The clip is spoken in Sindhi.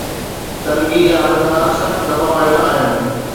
تلگي جا حلقا سخت دٻاءُ هيٺ آهن.